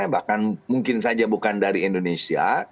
bahkan mungkin saja bukan dari indonesia